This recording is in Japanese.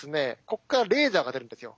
ここからレーザーが出るんですよ。